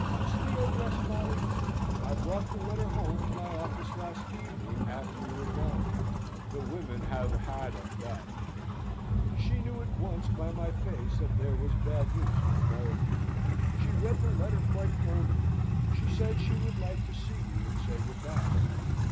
Is Theo dressed, Molly? I brought the letter home from my office last evening after you were gone. The women have had a bad night. She knew at once by my face that there was bad news from America. She read the letter quite firmly. She said she would like to see you and say good bye.